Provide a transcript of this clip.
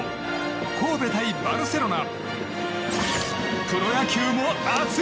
神戸対バルセロナ。